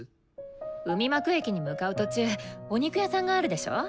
海幕駅に向かう途中お肉屋さんがあるでしょ？